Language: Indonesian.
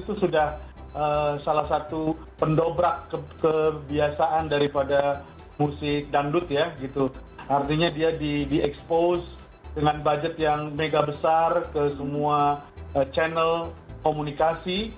itu sudah salah satu pendobrak kebiasaan daripada musik dangdut ya gitu artinya dia di expose dengan budget yang mega besar ke semua channel komunikasi